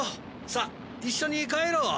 さあ一緒に帰ろう。